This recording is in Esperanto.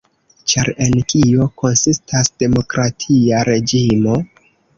Ĉar en kio konsistas demokratia reĝimo?